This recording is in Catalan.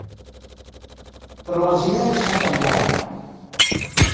Però les idees ja canviaven.